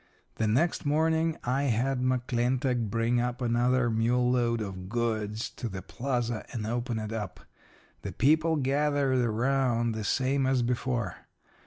"The next morning I had McClintock bring up another mule load of goods to the plaza and open it up. The people gathered around the same as before.